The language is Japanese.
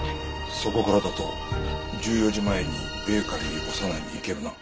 そこからだと１４時前にベーカリーオサナイに行けるな。